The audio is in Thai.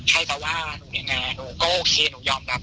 ให้จะงานเหี้ยงานหนูก็โอเคหนูยอมรับ